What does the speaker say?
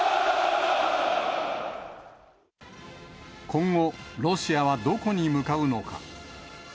今後、ロシアはどこに向かうのか。